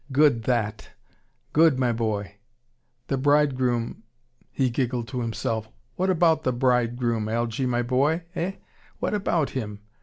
Good that! Good, my boy! The bridegroom " he giggled to himself. "What about the bridegroom, Algy, my boy? Eh? What about him?